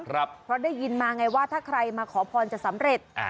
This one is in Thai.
เพราะได้ยินมาไงว่าถ้าใครมาขอพรจะสำเร็จ